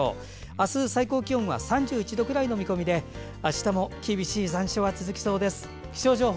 明日、最高気温は３１度くらいの見込みで明日も厳しい残暑が続きそうです。